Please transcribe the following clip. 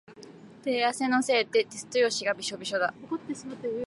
手汗のせいでテスト用紙がびしょびしょだ。